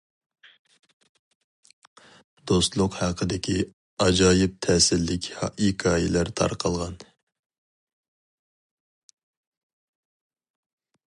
دوستلۇق ھەققىدىكى ئاجايىپ تەسىرلىك ھېكايىلەر تارقالغان.